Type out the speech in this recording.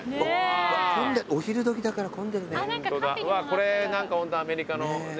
これホントアメリカの。